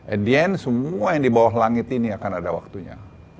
and then semua yang di bawah langit ini akan ada waktunya